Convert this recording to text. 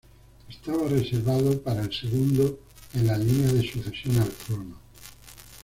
Estaba reservado para el segundo en la línea de sucesión al trono.